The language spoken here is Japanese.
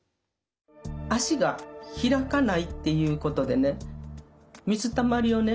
脚が開かないっていうことでね水たまりをね